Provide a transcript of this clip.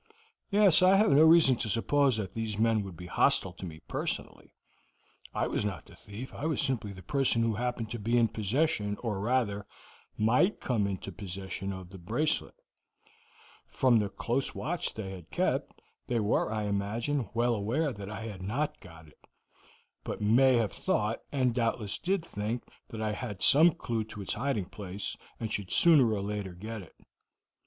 "Yes, I have no reason to suppose that these men would be hostile to me personally. I was not the thief, I was simply the person who happened to be in possession, or rather, might come into possession of the bracelet. From the close watch they had kept, they were, I imagine, well aware that I had not got it, but may have thought, and doubtless did think, that I had some clew to its hiding place, and should sooner or later get it.